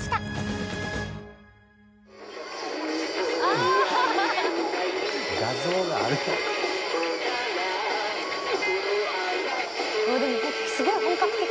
あっでもホントすごい本格的に。